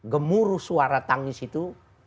gemuruh suara tangis itu